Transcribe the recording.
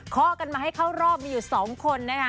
คอกันมาให้เขารอบมีอยู่สองคนได้เรา